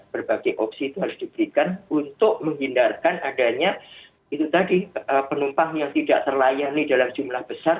berbagai opsi itu harus diberikan untuk menghindarkan adanya itu tadi penumpang yang tidak terlayani dalam jumlah besar